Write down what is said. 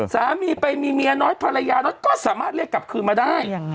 สามีไปมีเมียน้อยภรรยาน้อยก็สามารถเรียกกลับคืนมาได้